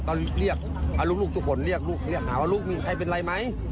ก็เรียกลูกทุกคนเรียกลูกเรียกหาว่าลูกมีใครเป็นอะไรไหม